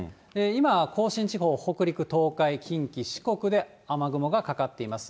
今、甲信地方、北陸、東海、近畿、四国で雨雲がかかっています。